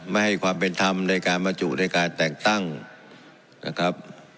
ไม่ให้ความเป็นธรรมในการบรรจุในการแต่งตั้งนะครับ